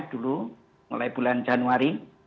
dulu mulai bulan januari